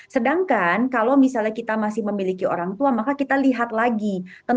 sedangkan kalau misalnya kita masih memiliki orang tua maka kita lihat lagi